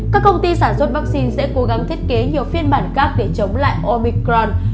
các công ty sản xuất vaccine sẽ cố gắng thiết kế nhiều phiên bản khác để chống lại omicron